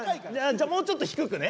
じゃあもうちょっと低くね。